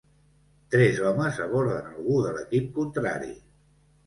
Tres homes aborden algú de l'equip contrari.